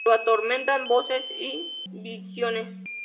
Lo atormentan voces y visiones.